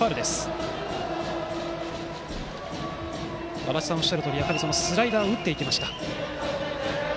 足達さんがおっしゃるとおりスライダーを打っていきました。